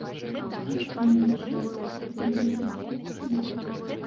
Адкуль на вашую думку гэтая ідэя ўзнікла?